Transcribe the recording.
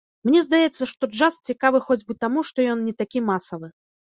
Мне здаецца, што джаз цікавы хоць бы таму, што ён не такі масавы.